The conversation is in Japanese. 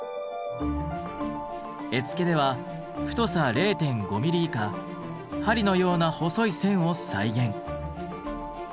絵付けでは太さ０．５ミリ以下針のような細い線を再現。